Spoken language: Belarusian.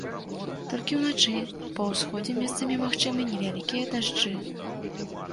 Толькі ўначы па ўсходзе месцамі магчымыя невялікія дажджы.